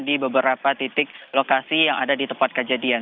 di beberapa titik lokasi yang ada di tempat kejadian